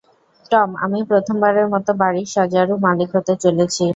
Tom, আমি প্রথমবারের মতো বাড়ির শজারু মালিক হতে চলেছি।